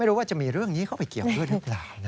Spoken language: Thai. รู้ว่าจะมีเรื่องนี้เข้าไปเกี่ยวด้วยหรือเปล่า